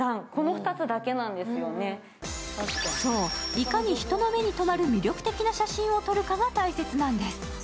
いかに人の目に留まる魅力的な写真を撮るかが大切なんです。